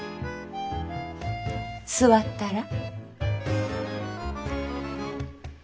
座ったら？